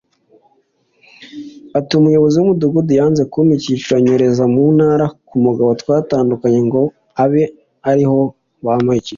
Ati“Umuyobozi w’umudugudu yanze kumpa icyiciro anyohereza mu Mutara ku mugabo twatandukanye ngo abe ariho bampa icyiciro